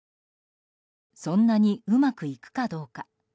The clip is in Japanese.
そんなにうまくいくかどうか。